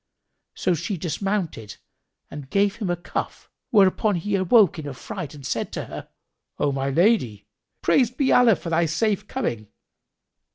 So she dismounted and gave him a cuff,[FN#6] whereupon he awoke in affright and said to her, "O m lady, praised be Allah for thy safe coming!"